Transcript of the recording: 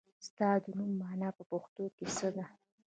ستا د نوم مانا په پښتو کې څه ده ؟